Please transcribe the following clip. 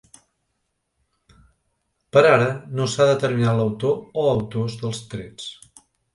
Per ara, no s’ha determinat l’autor o autors dels trets.